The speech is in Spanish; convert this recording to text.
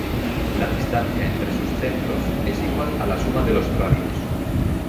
La distancia entre sus centros es igual a la suma de los radios.